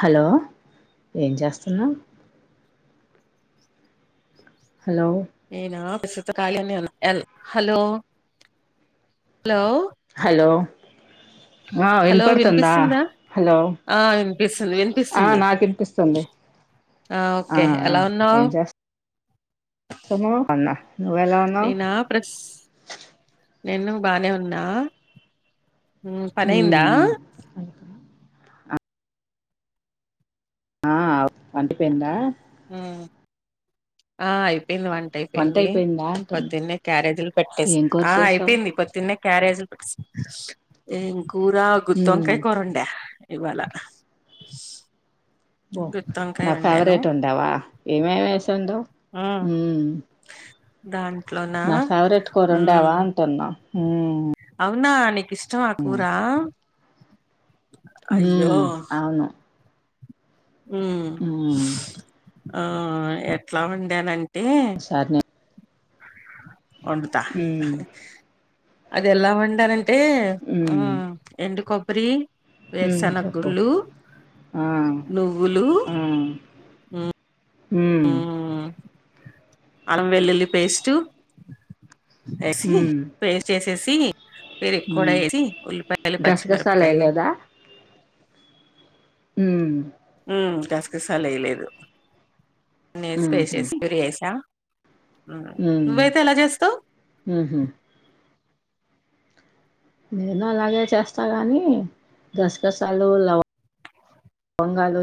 Hello ఏం చేస్తున్నావ్ hello నేనా ాల హలో హలో [unintelligible] హలో ఆ విన హలో పడుతుందా వినిపిస్తుందా హలో ఆ వినిపిస్తుంది ఆ వినిపిస్తుంది నాకు వినిపిస్తుంది ఆ ఓకే ఆ ఎలా ఉన్నావు ఏమ్ చేస్తా నావ్ అన్న నేనా ప్రస్ నేను బానే ఉన్నా హమ్ పని అయిందా హా వంటిపోయిందా హ హా ఆయి పోయింది వంట అయిపోయింది అయిపోయిందా అంటున్నా పోద్దున్నే క్యారేజీలు కట్టేసి ఏం కూర ఆ చేసావ్ అయిపోయింది పోద్దున్నే క్యారేజీలు పెట్టేసి ఏం కూర ఉమ్ గూత్తొంకాయ కూర వండా ఇవాల బో నా ఫేవరేట్ వండావా ఏమే మేం వేసి వండావ్ మ్ దాన్ నా ఫెవరెట్ కూర వండావా అంటన్నా అవునా నీకు ఇష్టం ఆ కూర అయ్యో! మ్ అవును ఉ ఉమ్ ఆ ఎట్లా వండానంటే సరే వండతా ఉమ్ అది ఎలా వండనే అంటే హ్మ్. ఎండు కొబ్బరి హ్మ్. వేరుసన చెప్పు. గుళ్ళు, ఆ! నువ్వులు మ్ అలం వెల్లుల్లి పేస్ట్ ఏసి హ్మ్. పేస్ట్ చేసేసి పెరుగు కూడా హ్మ్. వేసి ఉల్లిపాయలు పచ్చిమిరపకాయలు గసగసాలేయలేదా? మ్ గసుకుసలు ఎయలేదు అన్నేసి పేస్ట్ హుహు. చేసి పెరుగు వేసా హ్మ్. నువ్వైతే ఎలా చేస్తావ్ హుహు. నేను అలాగే చేస్తా కానీ గసగసాలు, లవ్ బొంగాలు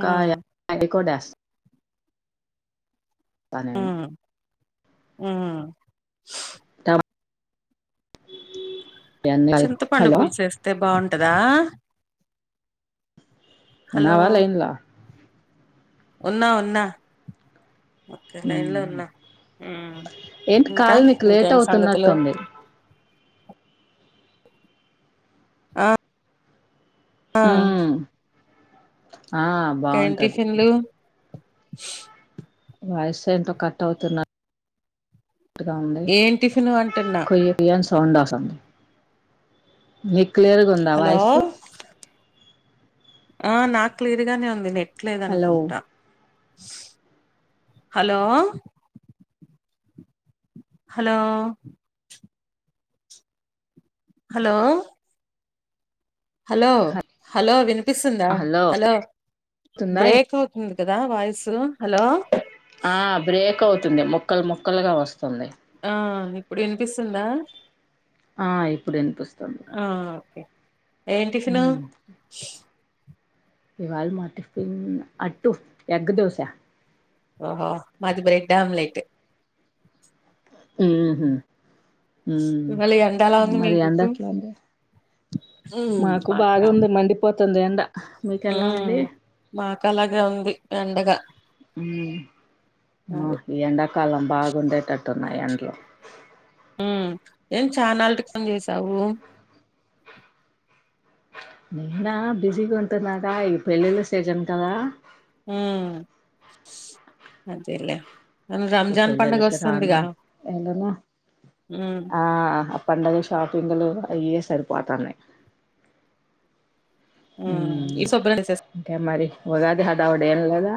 హ్మ్. కాయ అడికూడాస్ తనను మ్ తమ కలిపి. చింతపండు హలో! పూలుసు వేస్తే బాగుంటదా హలో ఉన్నావా లైన్లా ఉన్నా ఉన్నా ఒకే లైన్ లో హ్మ్. ఉన్నా మ్ ఏంటి ఇంకా కాల్ నీకు లేట్ ఇంకేం సంగతులు అవుతున్నట్టుంది. ఆ ఆ హ్మ్. ఆ ఇంకేం బాగుంటది టిఫిన్లు వాయిస్ ఏంటో కట్ అవుతున్నా కరెక్ట్ గా ఉంది ఏం టిఫిన్ అంటున్నా కోయ్ అని సౌండ్ వస్తుంది మీకు క్లియర్గా ఉందా హలో వాయిసు ఆ నాకు క్లియర్ గానే ఉంది నెట్ హలో లేదనుకుంటా hello hello hello hello hello వినిపిస్తుందా హలో స్తుందా బ్రేక్ అవుతుంది కదా వాయిస్ హలో ఆ బ్రేక్ అవుతుంది ముక్కలు ముక్కలుగా వస్తుంది ఆ ఇప్పుడు వినిపిస్తుందా ఆ ఇప్పుడు వినిపిస్తుంది ఆ ఓకే ఏం టిఫిన్ ఉమ్ ఇవాళ మా టిఫిన్ అట్టు ఎగ్ దోసా ఓహో మాది బ్రెడ్ ఆమ్లెట్ హు హుం ఇవాళ ఎండలా హుమ్మ్ ఉంది మరి మీకు ఎండ ఎట్లుంది ఉమ్ మాకు మాకా బాగుంది మండిపోతుంది ఎండ మీకెల ఉంది. అలాగె ఉంది ఎండగ హుమ్మ్ మ ఎండాకాలం బాగుండెటట్టు ఉన్నయ్ ఎండ్లు ఊమ్ ఏం చానాళ్టికి ఫోన్ చేసావు. నేనా బిజీగ ఉంటున్నాగ ఈ పెళ్ళిళ్ళ సీజన్ కదా హుమ్మ్ అంతేలే ఇపెళ్ళిళకు రాను యెళ్ళను ఉమ్ ఆ పండగ షాపింగ్లు అయె సరిపోతన్నయ్ ఉమ్ ఉమ్మ్ ఈ శుభ్రం చేసేస్ ఇంకేం మరి ఉగాది హడావుడి యేంలేద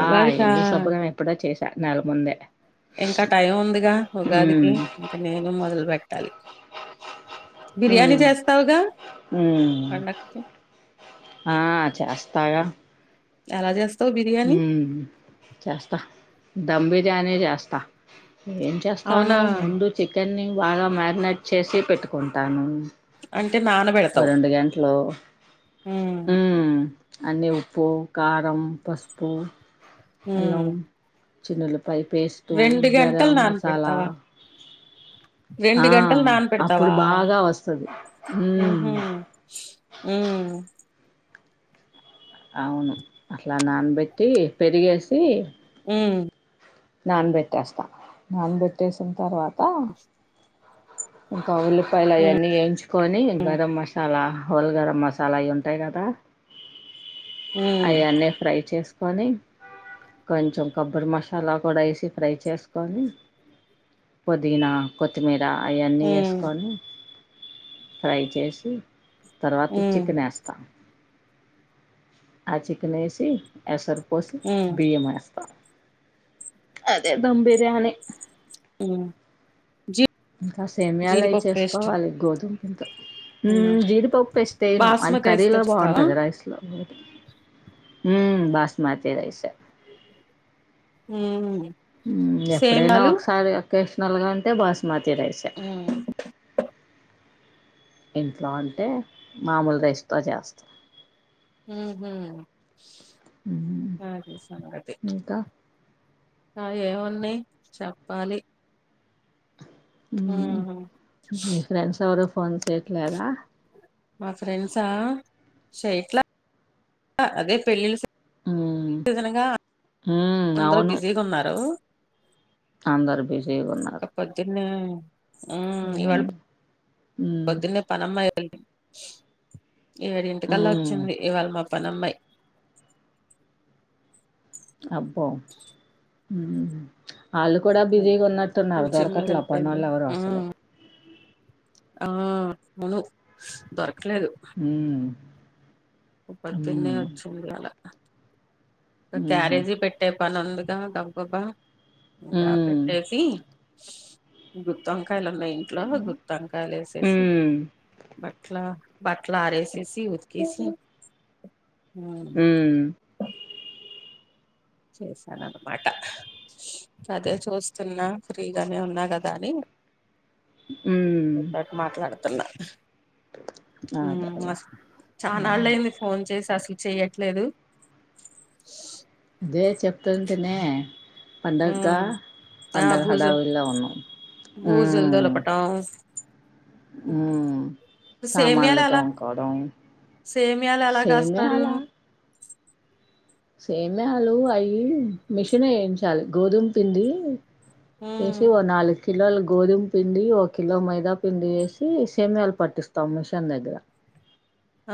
ఆ ఉగాదికా ఇల్లు సుబ్రం ఎప్పుడో చేసుకున్న చేశ నెల ముందే ఇంక టైం ఉందిగా మ్మ్ ఉగాదికి ఇంక నేను మొదల్ బెట్టాలి బిర్యానీ మ్మ్ చేస్తావుగా మ్మ్ పండుకు ఆ చేస్తగా ఎలా జేస్త హుమ్మ్ చేస్తా ధమ్ బిర్యాని జేస్త యేమ్ చేస్తాను అవునా ముందు చికెన్ని బాగ మ్యాగ్నేట్ చేసి పెట్టుకుంటాను అంటే నానబెడతావు రెండు గెంట్లొ ఉమ్ హుమ్మ్ అన్ని ఉప్పు కారం పసుపు ఉమ్ అల్లం చిన్నలు పైపేస్టు రెండు గరం గంటలు మసాలా నానబెడతావా ఆ రెండు గంటలు అప్పుడు నానపెడతావా బాగా వస్తాది హుమ్మ్ ఉమ్మ్ అవును అట్ల నాన్ బెట్టి పెరిగేసి ఊమ్ నాన్బెట్టేస్త నాన్ బెట్టేసిన్ తర్వాత్ బస్ ఇంక ఉల్లిపాయల్ ఆయన్ని యేంచుకొనీ గరం మసాలా హోల్ గరం మసాల అయి ఉంటాయ్ గాద ఉమ్ అయ్ అన్నీ ఫ్రై చేస్ కొని కొంచొం కొబ్బరి మషాల కూడ యేసి ఫ్రై చేస్ కొని పుదీనా కొత్తిమీర అయిన్ని యేస్ ఉమ్ కొనీ ఫ్రై చేసి తర్వాత్ ఉమ్ చికెన్ ఏస్త ఆ చికెన్ యేసి ఎసరు పోసి ఉమ్ బియ్యం వేస్త అదే దమ్ బిర్యాని హుమ్ ఇంక సేమ్యాల్ అయి చేస్ కోవాలి గోధుమ్ ఉమ్ హుమ్మ్ జీడిపప్ పేస్ట్ ఎయైను అది బాస్మతి రైస్ తో కర్రీలో చేస్తావా బాగుంటది రైస్ లో హూమ్మ్ బాస్మతి రైస్ ఎ ఉమ్ హుమ్ ఎప్పుడైన సేమలు ఒకసారి ఒకేషనల్ గా అంటే బాస్మతి తిరేశ ఉమ్ ఇంట్లో అంటే మామూల్ రైసుతో జేస్త ఊహు, మ్మ్, అది సంగతి. ఇంకా నాయ్ ఏం ఉన్నాయి చెప్పాలి హూమ్ ఉహు మీ ఫ్రెండ్స్ ఎవరు ఫోన్ చేయట్లేదా మా ఫ్రెండ్సా చెయట్ల అదే పెళ్ళిళ్ళ సీజన్ మ్మ్, సీజనుగా మ్మ్, అందరు అవును బిజీగున్నారు అందరు బిజి ఇకా పొద్దున్నే ఇవాళ ఏమండి ఉమ్ ఉమ్ పొద్దున్నే పనిఅమ్మయి ఎదింటికల్ల ఉమ్ వచ్చింది ఇవాళ మా పానమ్మయి అబ్బో ఉమ్ వాళ్ళు కూడా అది బిజీగా ఉన్నట్టున్నారు ట్యూషన్ మీద దొరకట్లు వెళ్ళిపోయింది పనోల్లో ఎవరు అసలు ఉమ్ ఆ అవును దొరక ఉమ్ ఇ పొద్దున్నే ఉమ్ ఒచ్చింది అలా. ఉహు క్యారేజీ పెట్టే పని ఉందిగా, గబగబా. కాగ ఉమ్ పెట్టేసి గుత్తొంకాయ్ కాయలు ఉన్నయ్ ఇంట్లో గుత్తొంకాయలు, వేసేసి ఉమ్ బట్లా బాట్లారేసేసి ఉత్కేసి ఉమ్ చేశానన్నమాట అదే చూస్తున్నా ఫ్రీగానే ఉన్నా కదా అని. ఉమ్ నీతోటి మాట్లాడతున్నా ఉమ్ అ అదేలే చాన్నాళ్ళు ఉమ్ అయింది ఫోన్ చేసి అసలు చెయ్యట్లేదు అదే చెప్తుంటేనే పండక్కా ఉమ్ ఆ పండగ బూజు హడావిడిలో ఉన్నాం బూజులు ఉమ్ దులపటం ఉమ్ సేమియాలు సామాన్లు ఎలా తోముకోవడం. సేమియాలు ఎలా సేమే కాస్తారు? అలా సేమ్యాలు అయి మిషన్ వేయించాలి, గోధుమ పింది ఉమ్ ఏసి ఓగ నాలుగు కిలోలు గోధుమ పిండి, ఒ కిలో మైదా పిండి వేసి సేమియాలు పట్టిస్తాము, మిషన్ దగ్గర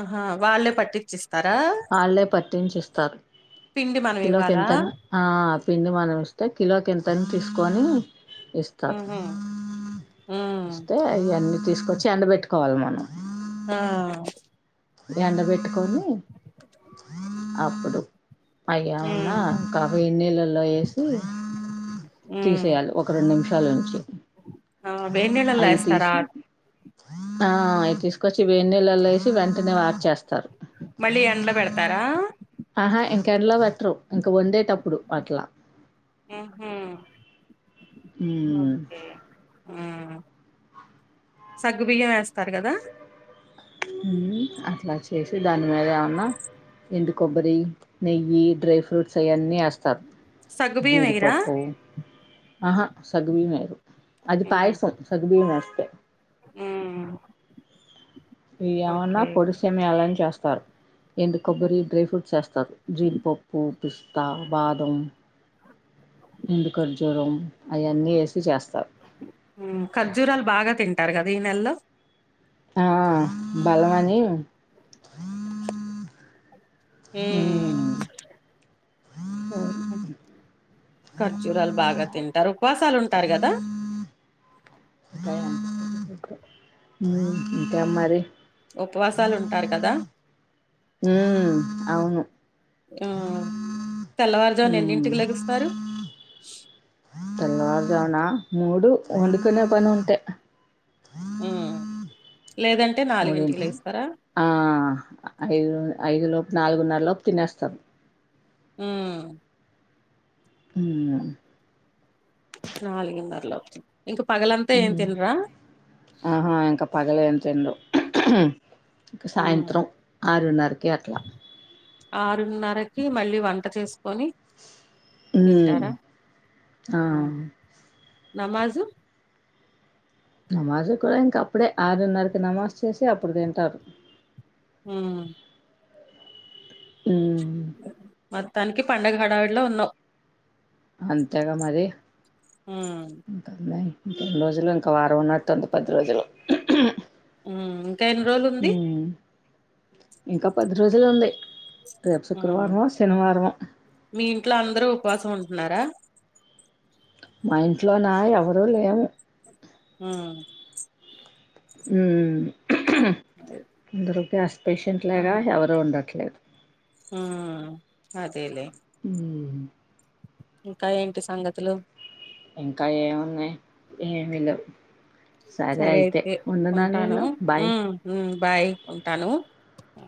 ఆహా వాళ్ళే పట్టిచ్చిస్తారా. పట్టించి ఇస్తారు, పిండి మనం కిలోకి ఇవ్వాలా ఎంతన్న ఆ పిండి మనం ఇస్తే కిలోకి ఎంతని తీసుకొని ఇస్త, ఉహు ఉమ్ ఇస్తే ఇయన్ని తీసుకొచ్చి ఎండబెట్టుకోవాలి మనం. ఆ ఎండబెట్టుకొని అప్పుడు అయ్యామన్నా ఉమ్ కాబోయే ఇన్నీళ్ళల్లో ఏసి ఉమ్ తీసేయాలి ఒక రెండు నిమిషాలు ఉంచి ఆ వెన్నీలల్లో అవి ఏస్తారా? తీసి ఆ అవి తీసుకొచ్చి వేనీళ్లలో ఏసి వెంటనే వాట్ చేస్ మళ్ళ ఎండ్ల పెడతారా? ఆహా ఇంకెండలో పెట్టరు, ఇంక వండేటప్పుడు అట్లా ఉహు ఉమ్ ఓకే ఉమ్ సగ్గు బియ్యం ఏస్తారు కదా. ఉహు అట్లా చేసి దాని మీద ఏమన్నా ఎండు కొబ్బరి, నెయ్యి, డ్రై ఫ్రూట్స్ అయన్నీ ఏస్ తర్ సగ్గుబియ్యం ఎయ్యరా జీడిపప్పు ఆహా సగ్గుబియ్యమే అది, అది ఉమ్ పయిసం సగ్గుబియ్యం ఏస్తే ఉమ్ ఏమన్నా ఓకే పొడి సేమియాలని చేస్తారు. ఎండు కొబ్బరి డ్రై ఫ్రూట్స్ ఏస్తారు, జీడిపప్పు పిస్తా, బాదం ఎండు ఖర్జూరం అయన్నీ ఏసి చేస్తారు. ఉమ్ ఖర్జూరాలు బాగా తింటారు కదా ఈ నెల్లో ఆ బలమని ఉమ్ మ్మ్ ఖర్జూరాలు బాగా తింటారు, ఉపసాలు ఉంటారు కదా. ఇంకేం మరి? ఉపవాసాలు ఉంటారు కదా. మ్మ్ అవును ఉమ్ ఆ తెల్లవారు జామున మ్మ్ ఎన్నింటికి లెగుస్తారు? తెల్లవారుజామున మూడు వండుకునే పని ఉంటే. ఉమ్ లేదంటే నాలుగింటికి మూడింటి మ్ లెగుస్తారా ఆ ఐదు ఐదు లోప్ నాలుగున్నర లోపు తినేస్తాం ఉమ్ ఉమ్ నాలుగున్నర లోపు ఇంక పగలంతా ఏం మ్మ్ తినరా ఎం తిందు ఉమ్, సాయంత్రం ఆరున్నరకి అట్లా ఆరున్నరకి మళ్ళీ వంట చేస్ ఉమ్ ఆ ఉమ్, నమాజు నమాజు కూడా ఇంక అప్పుడే ఆరున్నరకి నమాజ్ చేసి అప్పుడు తింటారు మ్ మ్మ్ మొత్తానికి పండగ హడావిడిలో ఉన్నావు అంతేగా మరి ఉమ్ రెండు రోజులు ఇంకా వారం ఉన్నట్టు ఉంది పది రోజులు హు మ్ ఇంకా ఎన్ని రోజులు ఉంది ఉమ్ ఇంకా పది రోజులు ఉంది రేప్ ఉమ్, శుక్రవారమొ శనివారంమొ మీ ఇంట్లో అందరూ ఉపవాసం ఉంటున్నారా మా ఇంట్లో నా ఎవరూ లేరు ఆ హు మ్ అందరకి అస్పేషంట్ గా ఎవరు ఉండట్లే హ అదేలే ఉమ్ ఇంకా ఏంటి సంగతులు ఇంకా ఏమున్నాయి ఏమిలెవ్ సరే అయితే ఉంటాను నేను బాయ్ ఉ ఉ బాయ్ ఉంటాను అ